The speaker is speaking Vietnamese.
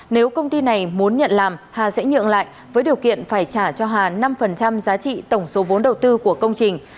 nếu công ty này muốn nhận làm hà sẽ nhượng lại với điều kiện phải trả cho hà năm giá trị tổng số vốn đầu tư của công trình